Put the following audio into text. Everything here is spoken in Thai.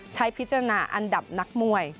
พิจารณาอันดับนักมวย